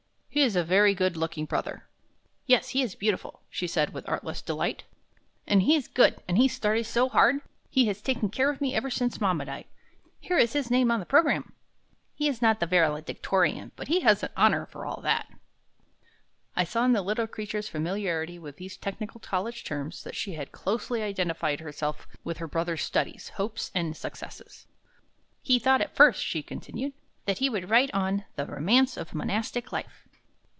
"He is a very good looking brother." "Yes, he is beautiful," she said, with artless delight, "and he's good, and he studies so hard. He has taken care of me ever since mama died. Here is his name on the program. He is not the valedictorian, but he has an honor for all that." I saw in the little creature's familiarity with these technical college terms that she had closely identified herself with her brother's studies, hopes, and successes. "He thought at first," she continued, "that he would write on 'The Romance of Monastic Life.'"